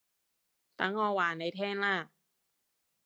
等我話你聽啦